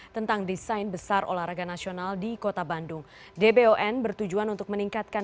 dua ribu dua puluh satu tentang desain besar olahraga nasional di kota bandung dbon bertujuan untuk meningkatkan